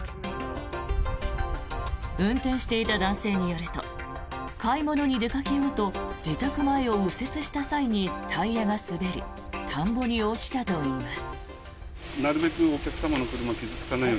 運転していた男性によると買い物に出かけようと自宅前を右折した際にタイヤが滑り田んぼに落ちたといいます。